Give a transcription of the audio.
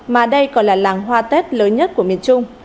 mà đây còn là làng hoa tết lớn nhất của miền trung